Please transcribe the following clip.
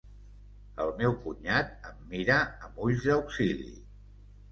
El meu cunyat em mira amb ulls d'auxili.